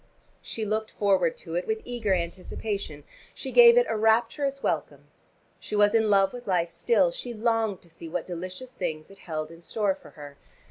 She looked forward to it with eager anticipation, she gave it a rapturous welcome. She was in love with life still, she longed to see what delicious things it held in store for her.